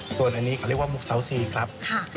ส่วนอันนี้เขาเรียกว่ามุกเซาซีครับ